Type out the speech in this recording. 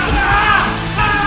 gak ada masalah